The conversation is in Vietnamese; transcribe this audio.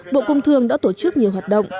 bộ công thương đã tổ chức nhiều hoạt động